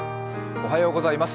おはようございます。